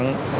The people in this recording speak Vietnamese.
nói chung là